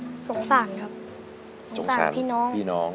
สงสารครับสงสารพี่น้อง